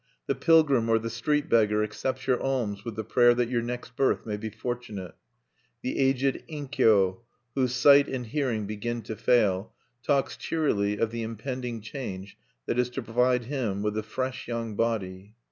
The pilgrim or the street beggar accepts your alms with the prayer that your next birth may be fortunate. The aged inkyo, whose sight and hearing begin to fail, talks cheerily of the impending change that is to provide him with a fresh young body.